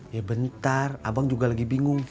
ya bentar abang juga lagi bingung